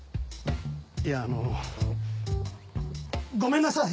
いやあのごめんなさい！